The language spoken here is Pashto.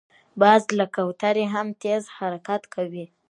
باز له کوترې هم تېز حرکت کوي